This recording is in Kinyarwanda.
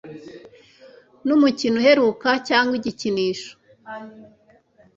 n'umukino uheruka cyangwa igikinisho